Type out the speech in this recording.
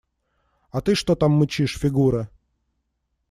А ты что там мычишь, Фигура?